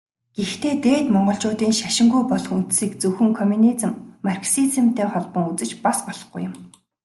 Гэхдээ Дээд Монголчуудын шашингүй болох үндсийг зөвхөн коммунизм, марксизмтай холбон үзэж бас болохгүй юм.